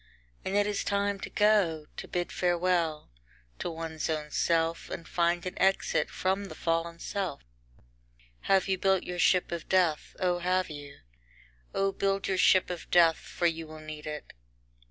And it is time to go, to bid farewell to one's own self, and find an exit from the fallen self. II Have you built your ship of death, O have you? O build your ship of death, for you will need it.